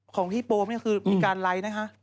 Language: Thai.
ของพี่โป๊มนี่คือมีการไลค์นะคะ